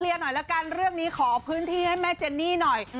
หน่อยละกันเรื่องนี้ขอพื้นที่ให้แม่เจนนี่หน่อย